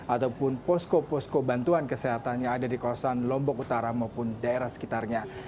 ataupun posko posko bantuan kesehatan yang ada di kawasan lombok utara maupun daerah sekitarnya